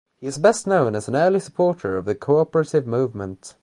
He is best known as an early supporter of the Cooperative Movement.